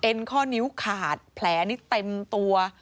ข้อนิ้วขาดแผลนี่เต็มตัว